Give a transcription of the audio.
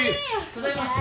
ただいま。